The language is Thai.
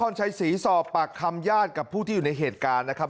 ชัยศรีสอบปากคำญาติกับผู้ที่อยู่ในเหตุการณ์นะครับ